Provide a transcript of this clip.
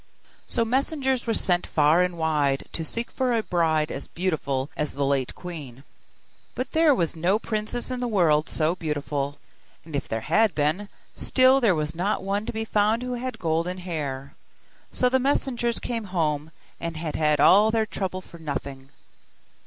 So messengers were sent far and wide, to seek for a bride as beautiful as the late queen. But there was no princess in the world so beautiful; and if there had been, still there was not one to be found who had golden hair. So the messengers came home, and had had all their trouble for nothing.